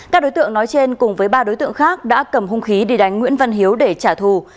các đối tượng nói trên cùng với ba đối tượng khác đã cầm hung khí đi đánh nguyễn văn hiếu để trả thù